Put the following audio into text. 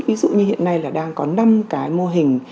ví dụ như hiện nay là đang có năm cái mô hình